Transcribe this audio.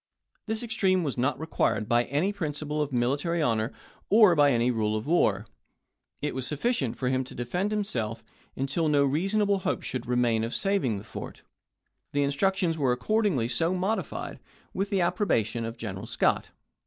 This extreme was not required by any principle of military honor or by any rule of war. It was sufficient for him to defend himself until no reasonable hope should remain of saving the fort. The instructions were accord ingly so modified, with the approbation of General Scott.